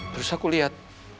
terus aku liat